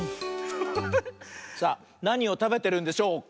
さあなにをたべてるんでしょうか？